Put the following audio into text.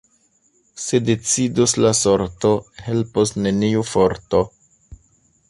Se decidos la sorto, helpos neniu forto.